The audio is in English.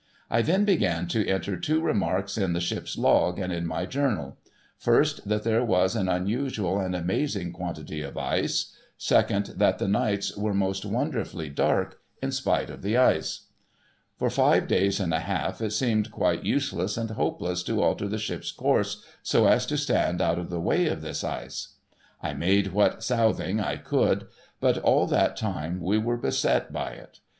I then began to enter two remarks in the ship's Log and in my Journal ; first, that there was an unusual and amazing quantity of ice ; second, that the nights were most wonder fully dark, in spite of the ice. For five days and a half, it seemed quite useless and hopeless to alter the ship's course so as to stand out of the way of this ice. I made what southing I could ; but, all that time, we were beset by it. Mrs.